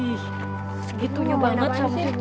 ih segitu banyak sih